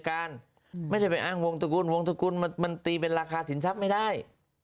การไม่ได้ไปอ้างวงตระกูลวงตระกุลมันตีเป็นราคาสินทรัพย์ไม่ได้